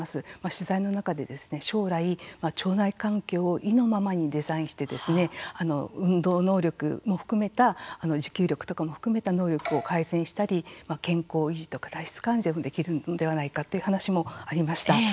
取材の中で将来、腸内環境を意のままにデザインして運動能力も含めた持久力とかも含めた能力を改善したり健康維持とか体質改善もできるんではないかという話もありました。